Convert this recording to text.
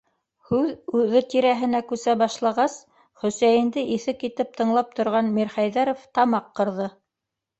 Һүҙ үҙе тирәһенә күсә башлағас, Хөсәйенде иҫе китеп тыңлап торған Мирхәйҙәров тамаҡ ҡырҙы: